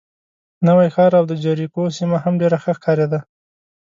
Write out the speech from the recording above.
نوی ښار او د جریکو سیمه هم ډېره ښه ښکارېده.